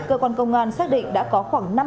cơ quan công an xác định đã có khoảng